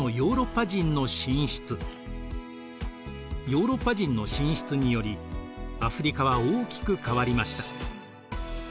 ヨーロッパ人の進出によりアフリカは大きく変わりました。